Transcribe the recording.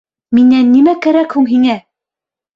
Минән нимә кәрәк һуң һиңә?